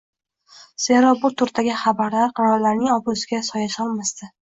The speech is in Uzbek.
zero bu turdagi xabarlar qirollarning obro‘siga soya solmasdi.